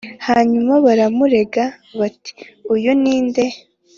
Hanyuma baramurega bati uyu ninde